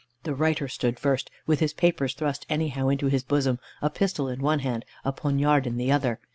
The writer stood first, with his papers thrust anyhow into his bosom, a pistol in one hand, a poniard in the other.